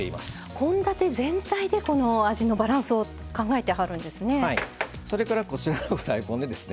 献立全体で味のバランスを考えてはるんですね。